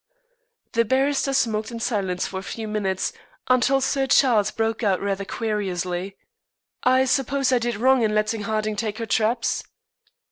The barrister smoked in silence for a few minutes, until Sir Charles broke out rather querulously: "I suppose I did wrong in letting Harding take her traps?"